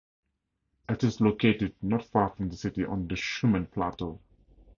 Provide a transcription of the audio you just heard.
It is located not far from the city on the Shumen Plateau.